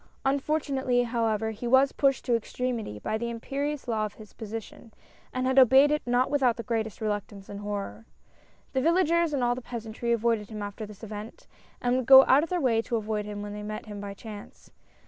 Unfortunately, however, he was pushed to extremity by the imperious law of his position, and had obeyed it not without the greatest reluctance and horror. The villagers and all the peasantry avoided him after this event, and would go out of their way to avoid him when they met him by chance.